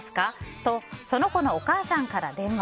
とその子のお母さんから電話。